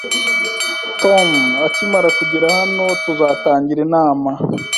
Tom akimara kugera hano, tuzatangira inama